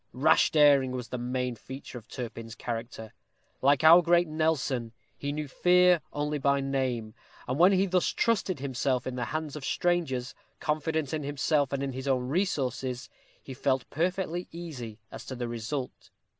Rash daring was the main feature of Turpin's character. Like our great Nelson, he knew fear only by name; and when he thus trusted himself in the hands of strangers, confident in himself and in his own resources, he felt perfectly easy as to the result.